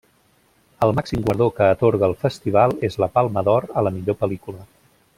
El màxim guardó que atorga el festival és la Palma d'Or a la millor pel·lícula.